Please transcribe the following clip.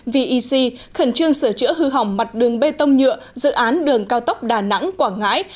vec khẩn trương sửa chữa hư hỏng mặt đường bê tông nhựa dự án đường cao tốc đà nẵng quảng ngãi